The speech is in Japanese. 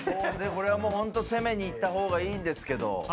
これは本当に攻めにいった方がいいんですけど。